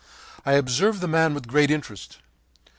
I observed the man with great interest.